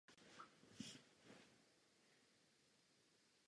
Podobně se u výrobků s nižším obsahem tuku používají stabilizátory.